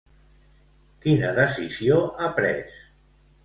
Quina decisió ha pres?